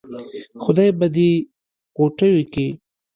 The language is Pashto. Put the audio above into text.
خدا به دې ِغوټېو کې